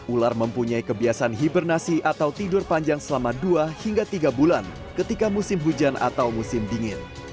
ular mempunyai kebiasaan hibernasi atau tidur panjang selama dua hingga tiga bulan ketika musim hujan atau musim dingin